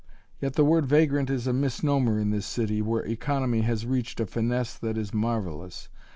Yet the word vagrant is a misnomer in this city, where economy has reached a finesse that is marvelous.